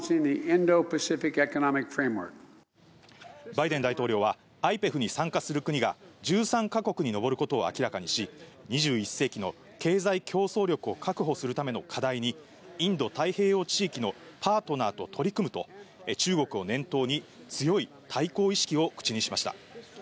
バイデン大統領はＩＰＥＦに参加する国が、１３か国に上ることを明らかにし、２１世紀の経済競争力を確保するための課題に、インド太平洋地域のパートナーと取り組むと、中国を念頭に強い対抗意識を口にしました。